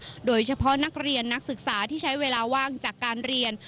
โดยเฉพาะนักเรียนนักศึกษาที่ใช้เวลาว่างจากการเรียน